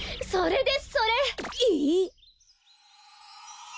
それですそれ！